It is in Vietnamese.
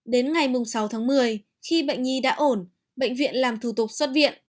đến ngày sáu tháng một mươi khi bệnh nhi đã ổn bệnh viện làm thủ tục xuất viện